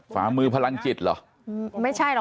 ฝ่ามือพลังจิตเหรอ